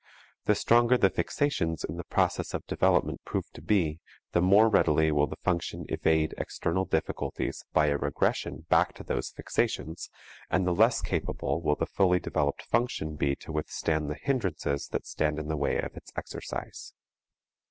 The stronger the fixations in the process of development prove to be, the more readily will the function evade external difficulties by a regression back to those fixations, and the less capable will the fully developed function be to withstand the hindrances that stand in the way of its exercise.